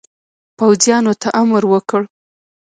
پوځیانو ته امر وکړ.